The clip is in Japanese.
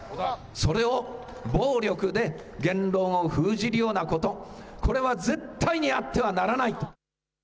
それを暴力で言論を封じるようなこと、これは絶対にやってはならないと。